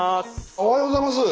おはようございます！